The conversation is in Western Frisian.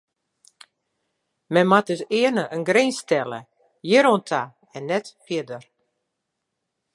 Men moat dus earne in grins stelle: hjir oan ta en net fierder.